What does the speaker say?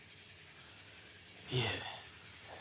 いえ。